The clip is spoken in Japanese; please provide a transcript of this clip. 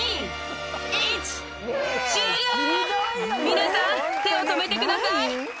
・皆さん手を止めてください